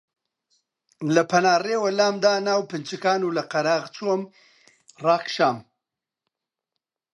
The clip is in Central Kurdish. لە پەنا ڕێوە لامدا ناو پنچکان و لە قەراغ چۆم ڕاکشام